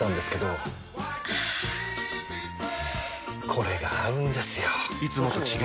これが合うんですよ！